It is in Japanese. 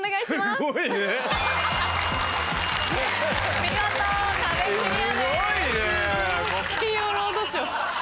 すごいね！